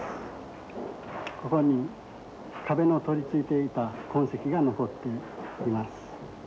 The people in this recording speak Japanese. ここに壁の取り付いていた痕跡が残っています。